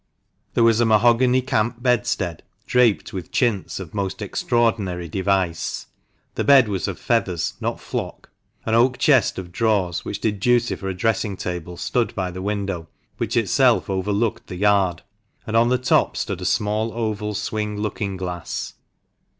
There was a mahogany camp bedstead, draped with chintz of most extraordinary device. The bed was of feathers — not flock. An oak chest of drawers, which did duty for a dressing table, stood by the window, which itself overlooked the yard, and on the top stood a small oval swing looking glass.